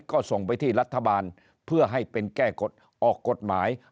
ก็ส่งไปที่รัฐบาลเพื่อให้เป็นแก้ออกกฎหมาย